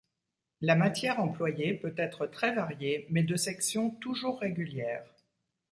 La matière employée peut être très variée mais de section toujours régulière.